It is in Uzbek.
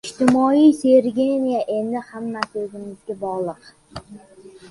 Ijtimoiy sinergiya: endi hammasi o‘zimizga bog‘liq